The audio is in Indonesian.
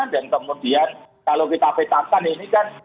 dan kemudian kalau kita petakan ini kan